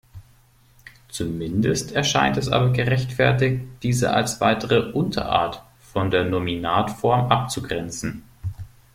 Zumindest erscheint es aber gerechtfertigt, diese als weitere Unterart von der Nominatform abzugrenzen.